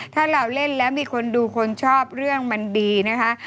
ถ้าเราเล่นแล้วมีคนดูคนชอบเรื่องมันดีนะคะ